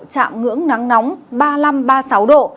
chạm ngưỡng nắng nóng ba mươi năm ba mươi sáu độ